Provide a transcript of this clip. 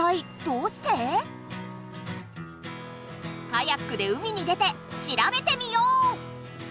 カヤックで海に出てしらべてみよう！